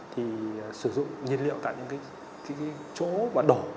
thì sử dụng nhiên liệu tại những chỗ vận đổ